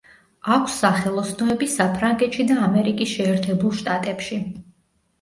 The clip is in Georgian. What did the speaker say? აქვს სახელოსნოები საფრანგეთში და ამერიკის შეერთებულ შტატებში.